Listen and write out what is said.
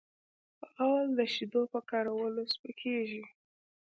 غول د شیدو په کارولو سپکېږي.